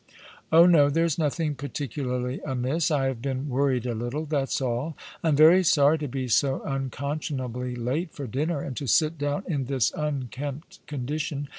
" Oh no, there is nothing particularly amiss ; I have been worried a little, that's all. I am very sorry to be so uncon scionably late for dinner, and to sit down in this unkempt condition.